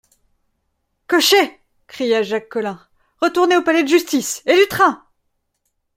Cocher ! cria Jacques Collin, retournez au Palais de Justice, et du train !…